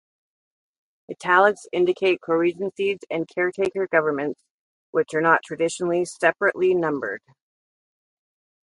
Italics indicate coregencies and caretaker governments, which are not traditionally separately numbered.